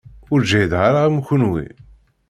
Ur ǧhideɣ ara am kenwi.